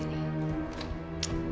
tunggu di sini